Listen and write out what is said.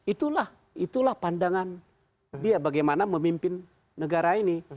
itulah itulah pandangan dia bagaimana memimpin negara ini